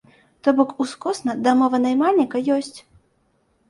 То бок, ускосна дамова наймальніка ёсць.